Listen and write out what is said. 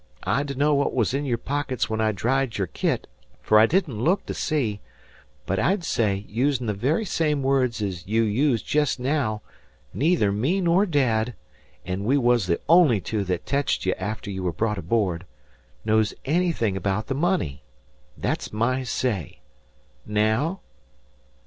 I dunno what was in your pockets when I dried your kit, fer I didn't look to see; but I'd say, using the very same words ez you used jest now, neither me nor dad an' we was the only two that teched you after you was brought aboard knows anythin' 'baout the money. Thet's my say. Naow?"